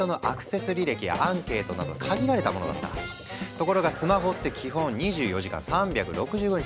ところがスマホって基本２４時間３６５日